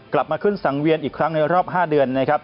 กลับมาขึ้นสังเวียนอีกครั้งในรอบ๕เดือนนะครับ